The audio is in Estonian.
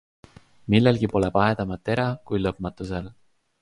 Millelgi pole vahedamat tera, kui lõpmatusel.